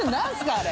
あれ。